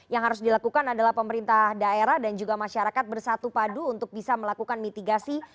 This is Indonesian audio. yang harus dilakukan adalah pemerintah daerah dan juga masyarakat bersatu padu untuk bisa melakukan mitigasi